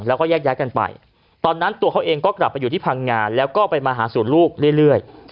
แล้วก็แยกย้ายกันไปตอนนั้นตัวเขาเองก็กลับไปอยู่ที่พังงานแล้วก็ไปมาหาศูนย์ลูกเรื่อย